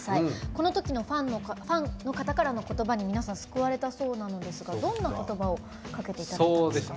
このときのファンの方からのことばに皆さん、救われたそうなのですがどんなことばをかけていただいたんですか？